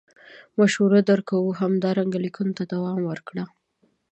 مشوره در کوو همدارنګه لیکنو ته دوام ورکړه.